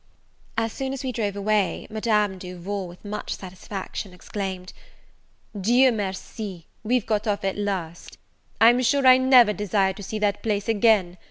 As soon as we drove away, Madame Duval, with much satisfaction, exclaimed, "Dieu merci, we've got off at last! I'm sure I never desire to see that place again.